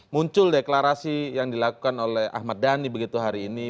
muncul deklarasi yang dilakukan oleh ahmad dhani begitu hari ini